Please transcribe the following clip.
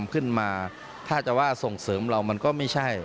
ขึ้นมาถ้าจะว่าส่งเสริมเรามันก็ไม่ใช่